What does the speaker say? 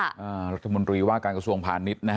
อ่ารัฐมนตรีว่าการกระทรวงผ่านนิดนะฮะ